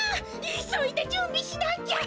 いそいでじゅんびしなきゃ！